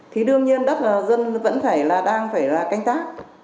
thì đương nhiên đất là dân vẫn phải là đang phải là canh tác